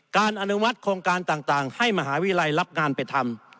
อนุมัติโครงการต่างให้มหาวิทยาลัยรับงานไปทำ